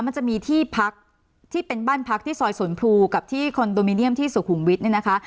มันจะมีที่พักที่เป็นบ้านพักที่ซอยสวนพลูกับที่คอนโดมิเนียมที่สุขุมวิทย์เนี่ยนะคะ